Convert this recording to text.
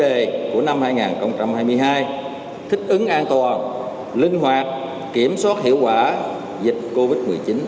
đề của năm hai nghìn hai mươi hai thích ứng an toàn linh hoạt kiểm soát hiệu quả dịch covid một mươi chín